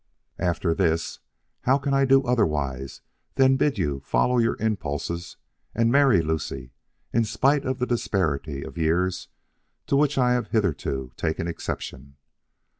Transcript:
After this, how can I do otherwise than bid you follow your impulses and marry Lucie in spite of the disparity of years to which I have hitherto taken exception.